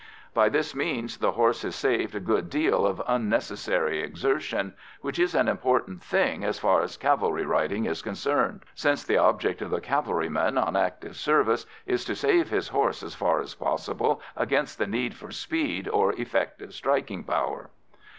By this means the horse is saved a good deal of unnecessary exertion, which is an important thing as far as cavalry riding is concerned, since the object of the cavalryman on active service is to save his horse as far as possible against the need for speed or effective striking power.